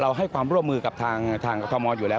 เราให้ความร่วมมือกับทางคอมมอลอยู่แล้ว